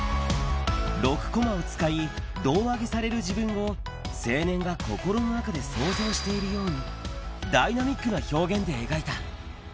６コマを使い、胴上げされる自分を青年が心の中で想像しているように、ダイナミックな表現で描いた。